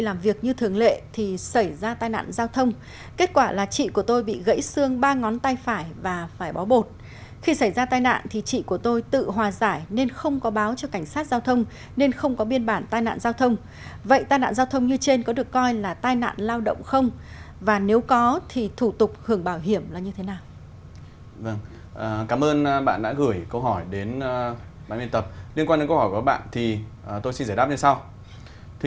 liên quan đến câu hỏi của bạn thì tôi xin giải đáp như sau